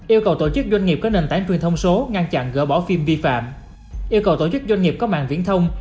yêu cầu tổ chức doanh nghiệp có mạng viễn thông